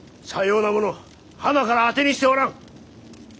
さようなものはなから当てにしておらん。